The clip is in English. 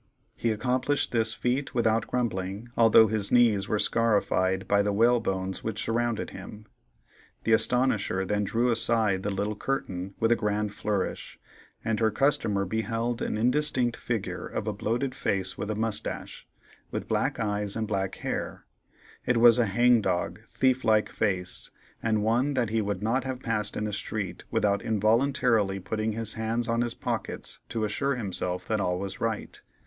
He accomplished this feat without grumbling, although his knees were scarified by the whalebones which surrounded him. The Astonisher then drew aside the little curtain with a grand flourish, and her customer beheld an indistinct figure of a bloated face with a mustache, with black eyes and black hair; it was a hang dog, thief like face, and one that he would not have passed in the street without involuntarily putting his hands on his pockets to assure himself that all was right.